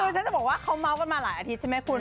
คือฉันจะบอกว่าเขาเมาส์กันมาหลายอาทิตย์ใช่ไหมคุณ